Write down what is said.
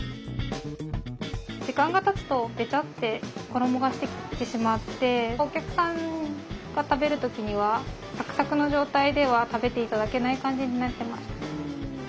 時間がたつとベチャッて衣がしてきてしまってお客さんが食べる時にはサクサクの状態では食べて頂けない感じになってました。